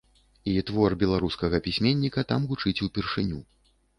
І твор беларускага пісьменніка там гучыць упершыню.